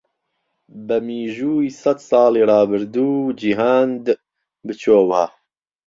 بە میژووی سەدساڵی ڕابردوو جیهاند بچۆوە.